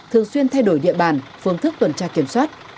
thường xuyên thay đổi địa bàn phương thức tuần tra kiểm soát